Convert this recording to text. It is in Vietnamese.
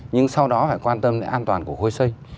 nhưng sau đó phải quan tâm đến an toàn của khối xây